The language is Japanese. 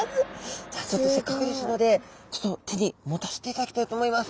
じゃあちょっとせっかくですので手に持たせていただきたいと思います。